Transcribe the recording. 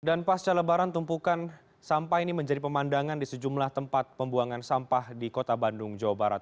dan pasca lebaran tumpukan sampah ini menjadi pemandangan di sejumlah tempat pembuangan sampah di kota bandung jawa barat